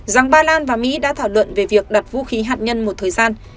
rằng ba lan và mỹ đã thảo luận về việc đặt vũ khí hạt nhân một thời gian